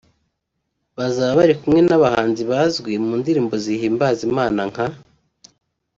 Bazaba bari kumwe n’abahanzi bazwi mu ndirimbo zihimbaza Imana nka